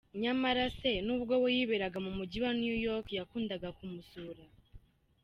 Nyamara se, n’ubwo we yiberaga mu mujyi wa New York yakundaga kumusura.